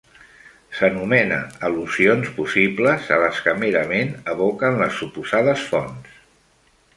S'anomena al·lusions possibles a les que merament evoquen les suposades fonts.